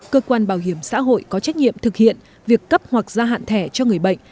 cơ quan bảo hiểm xã hội có trách nhiệm thực hiện việc cấp hoặc gia hạn thẻ cho người bệnh